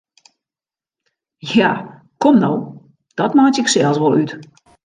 Ja, kom no, dat meitsje ik sels wol út!